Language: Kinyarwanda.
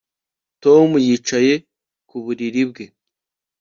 Tom yicaye ku buriri bwe